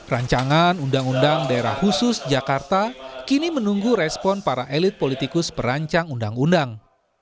rancangan undang undang daerah khusus jakarta kini menunggu respon para elit politikus perancang undang undang